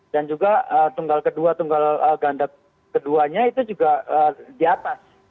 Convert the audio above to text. dan juga tunggal kedua tunggal ganda keduanya itu juga di atas